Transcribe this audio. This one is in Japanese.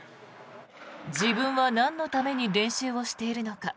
自分はなんのために練習をしているのか。